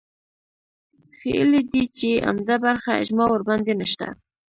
ښييلي دي چې عمده برخه اجماع ورباندې نشته